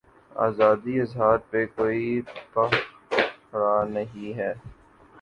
آزادیء اظہارپہ کوئی پہرا نہیں ہے۔